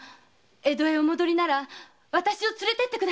江戸へお戻りならあたしを連れてってください！